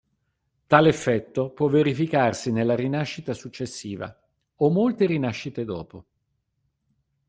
Tale effetto può verificarsi nella rinascita successiva, o molte rinascite dopo.